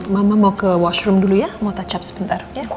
mama mau ke washroom dulu ya mau touch up sebentar